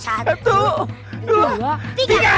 satu dua tiga